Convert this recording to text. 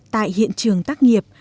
tại hiện trường tác nghiệp